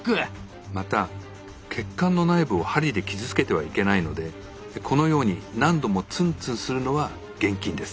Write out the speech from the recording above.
また血管の内部を針で傷つけてはいけないのでこのように何度もツンツンするのは厳禁です。